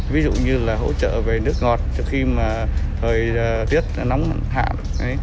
ví dụ như là hỗ trợ về nước ngọt cho khi mà thời tiết nóng hạ